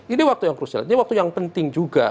ini waktu yang krusial ini waktu yang penting juga